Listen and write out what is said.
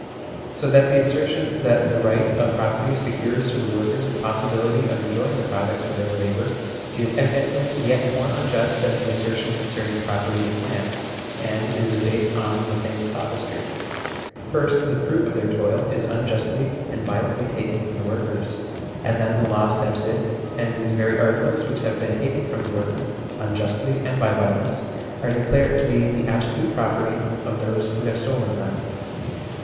So that the assertion that the right of property secures to the workers the possibility of enjoying the products of their labour is LAWS CONCERNING TAXES, ETC. 81 evidently yet more unjust than the assertion concerning property in land, and it is based on the same sophistry : first, the fruit of their toil is unjustly and violently taken from the workers, and then the law steps in, and these very articles which have been taken from the workmen, un justly and by violence, are declared to be the absolute property of those who have stolen them.